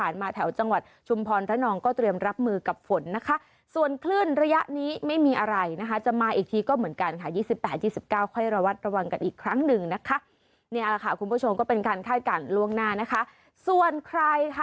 ยี่สิบแปดยี่สิบเก้าค่อยระวัดระวังกันอีกครั้งหนึ่งนะคะเนี้ยอ่าค่ะคุณผู้ชมก็เป็นการค่ายการล่วงหน้านะคะส่วนใครค่ะ